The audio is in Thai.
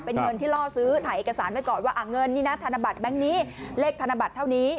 เป็นเงินที่ล่อซื้อถ่ายเอกสารไว้ก่อนว่าเงินนี่นะธนบัตรแบงค์นี้เลขธนบัตรเท่านี้